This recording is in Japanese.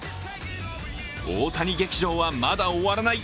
大谷劇場はまだ終わらない！